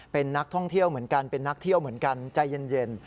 เป็นนักท่องเที่ยวเหมือนกันเป็นนักเที่ยวเหมือนกันใจเย็น